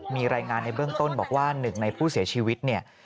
มีรายงานในเบื้องต้นบอกว่าหนึ่งในผู้เสียชีวิตเนี่ย